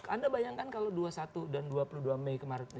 anda bayangkan kalau dua puluh satu dan dua puluh dua mei kemarin